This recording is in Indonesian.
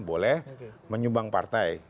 boleh menyumbang partai